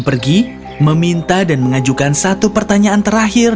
pergi meminta dan mengajukan satu pertanyaan terakhir